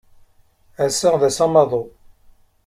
Ass-a d ass amaḍu.